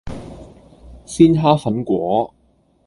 鮮蝦粉果